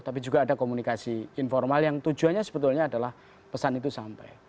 tapi juga ada komunikasi informal yang tujuannya sebetulnya adalah pesan itu sampai